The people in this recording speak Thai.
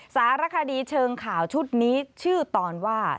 สารคดีเชิงข่าวชุดนี้ชื่อตอนว่า